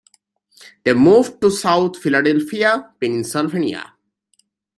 They moved to south Philadelphia, Pennsylvania.